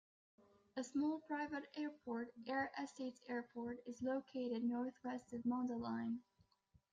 A small private airport, Air Estates Airport, is located northwest of Mundelein.